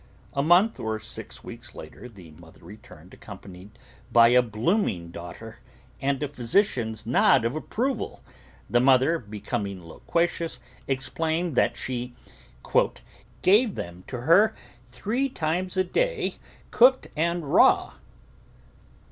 A month or six weeks later the mother returned accompanied by a bloom ing daughter, and at the physician's nod of ap proval, the mother, becoming loquacious, explained that she " gave them to her three times a day cooked THE VEGETABLE GARDEN and raw."